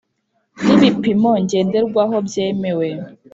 N ibipimo ndengerwaho byemewe